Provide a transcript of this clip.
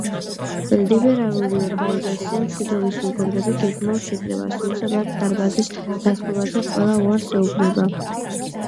ლიბერალური ორგანიზაცია „მშვიდობის მეგობრები“ გეგმავს შეკრებას, თუმცა მათ დარბაზის დათმობაზე ყველა უარს ეუბნება.